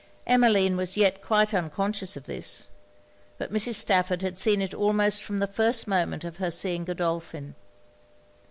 Emmeline was yet quite unconscious of this: but Mrs. Stafford had seen it almost from the first moment of her seeing Godolphin.